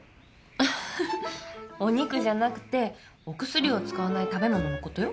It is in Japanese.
フフお肉じゃなくてお薬を使わない食べ物のことよ。